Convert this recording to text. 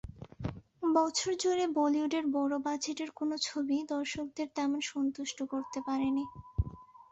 বছরজুড়ে বলিউডের বড় বাজেটের কোনো ছবিই দর্শকদের তেমন সন্তুষ্ট করতে পারেনি।